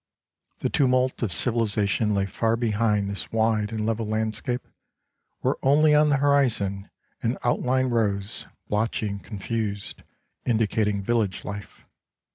The tumult of civilization lay far behind this wide and level landscape, where only on the horizon an outline rose, blotchy and confused, indicating village life.